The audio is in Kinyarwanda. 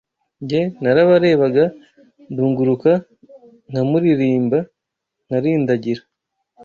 Jye nararebaga ndunguruka Nkamuririmba nkarindagira